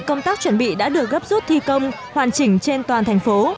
các đơn vị đã được gấp rút thi công hoàn chỉnh trên toàn thành phố